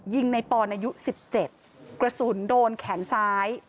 ยิงในปอนอายุ๑๗กระสุนโดนแขนซ้าย